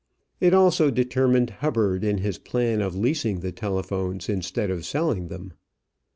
It also determined Hubbard in his plan of leasing the telephones instead of selling them.